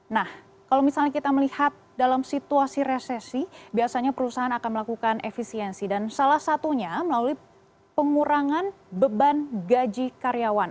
nah kalau misalnya kita melihat dalam situasi resesi biasanya perusahaan akan melakukan efisiensi dan salah satunya melalui pengurangan beban gaji karyawan